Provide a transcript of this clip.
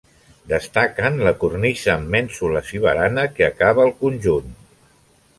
Destaquen la cornisa amb mènsules i barana que acaba el conjunt.